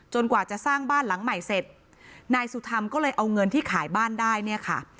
กว่าจะสร้างบ้านหลังใหม่เสร็จนายสุธรรมก็เลยเอาเงินที่ขายบ้านได้เนี่ยค่ะ